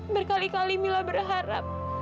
berkali kali mila berharap